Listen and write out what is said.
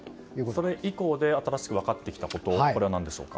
それ以降で新しく分かってきたことは何でしょうか。